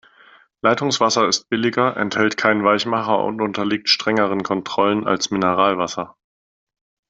Leitungswasser ist billiger, enthält keinen Weichmacher und unterliegt strengeren Kontrollen als Mineralwasser.